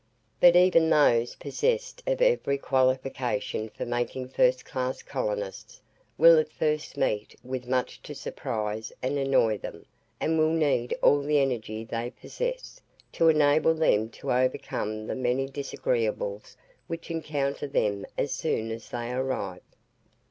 But even those possessed of every qualification for making first class colonists, will at first meet with much to surprise and annoy them, and will need all the energy they possess, to enable them to overcome the many disagreeables which encounter them as soon as they arrive.